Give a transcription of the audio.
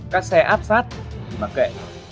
các xe áp sát thì mà kệ